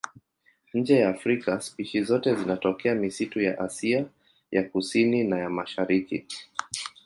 Nje ya Afrika spishi zote zinatokea misitu ya Asia ya Kusini na ya Mashariki.